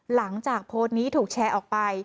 หลังจากโพสต์นี้ถูกแชร์ออกไป